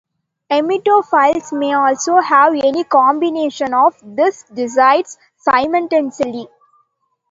Emetophiles may also have any combination of these desires simultaneously.